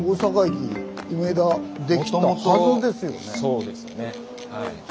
そうですよねはい。